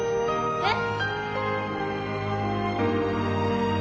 えっ？